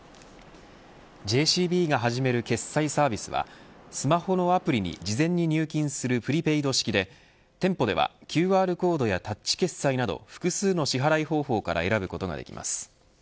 ＪＣＢが始まる決済サービスはスマホのアプリに事前に入金するプリペイド式で店舗ではＱＲコードやタッチ決済など複数の支払い方法から選ぶことができます。